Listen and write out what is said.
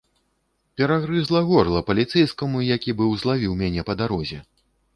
Перагрызла горла паліцэйскаму, які быў злавіў мяне па дарозе.